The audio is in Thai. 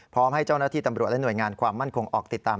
พร้อมให้เจ้าหน้าที่ตำรวจและหน่วยงานความมั่นคงออกติดตาม